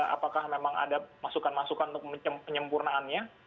apakah memang ada masukan masukan untuk penyempurnaannya